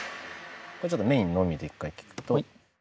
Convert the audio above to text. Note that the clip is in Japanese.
これちょっとメインのみで１回聴くと。